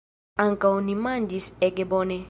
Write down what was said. Ankaŭ ni manĝis ege bone!